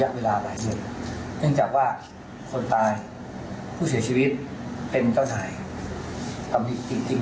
เขาก็เลยคิดว่าวันนี้เขาถ้าโดนใดเขาก็ต้องเหมือนข้างเน้นเงี้ย